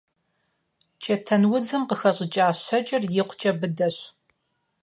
Чэтэнудзым къыхэщӀыкӀа щэкӀыр икъукӀэ быдэщ.